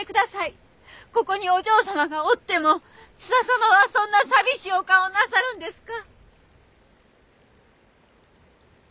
ここにお嬢様がおっても津田様はそんな寂しいお顔をなさるんですか？